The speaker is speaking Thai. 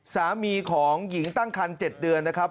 สามีของหญิงตั้งคัน๗เดือนนะครับ